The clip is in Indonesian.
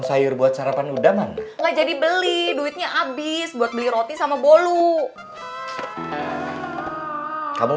nanti biar sadam aja yang kasih tau umi